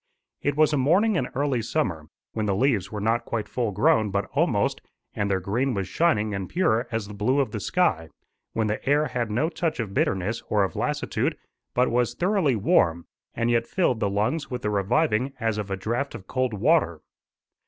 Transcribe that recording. It was a morning in early summer, when the leaves were not quite full grown but almost, and their green was shining and pure as the blue of the sky, when the air had no touch of bitterness or of lassitude, but was thoroughly warm, and yet filled the lungs with the reviving as of a draught of cold water.